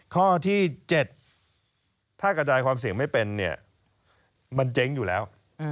ข้อที่๗ถ้ากระจายความเสี่ยงไม่เป็นเนี่ยมันเจ๊งอยู่แล้ว